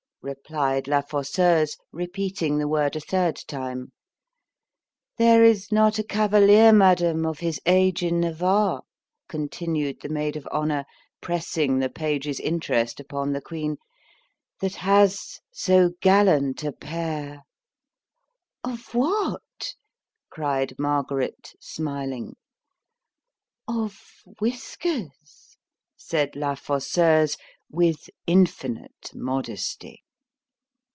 replied La Fosseuse, repeating the word a third time——There is not a cavalier, madam, of his age in Navarre, continued the maid of honour, pressing the page's interest upon the queen, that has so gallant a pair——Of what? cried Margaret, smiling—Of whiskers, said La Fosseuse, with infinite modesty.